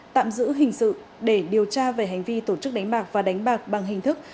tạm giữ hình sự để điều tra về hành vi tổ chức đánh bạc và đánh bạc bằng hình thức